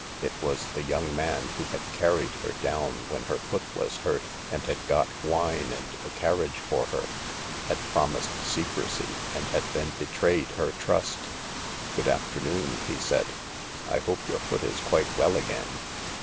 It was the young man who had carried her down when her foot was hurt and had got wine and a carriage for her, had promised secrecy and had then betrayed her trust. " Good afternoon," he said. " I hope your foot is quite well again."